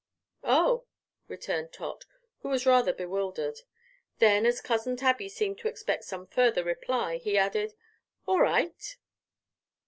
"Oh," returned Tot, who was rather bewildered. Then, as Cousin Tabby seemed to expect some further reply, he added: "all right."